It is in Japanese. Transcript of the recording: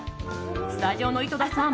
スタジオの井戸田さん